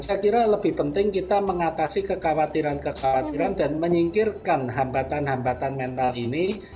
saya kira lebih penting kita mengatasi kekhawatiran kekhawatiran dan menyingkirkan hambatan hambatan mental ini